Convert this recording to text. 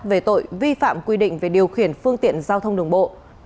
về tội vi phạm quy định về điều khiển phương tiện giao thông đường bộ